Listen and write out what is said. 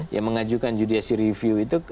yang mengajukan judicial review itu